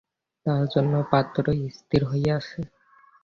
তাহার জন্য পাত্র স্থির হইয়াছে।